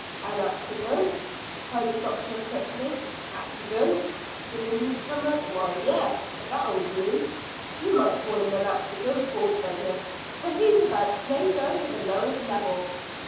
"An accident?" cried the doctor quickly. "Accident?" said the newcomer. "Wal, yes, that'll do. You might call him an accident, poor beggar, for he's about played down to the lowest level.